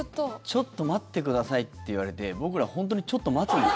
ちょっと待ってくださいって言われて僕ら、本当にちょっと待つの？